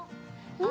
うん？